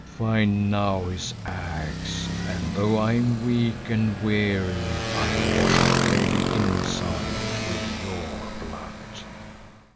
"Find now his axe and though I am weak and weary, I will wash away the insult with your blood."